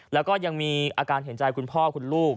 แล้วก็ยังมีอาการเห็นใจคุณพ่อคุณลูก